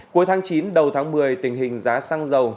cuối tháng chín đầu tháng một mươi tình hình giá xăng dầu